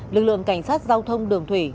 lực lượng cảnh sát giao thông đường thủy